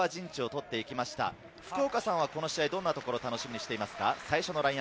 福岡さんはどんなところを楽しみにしていますか？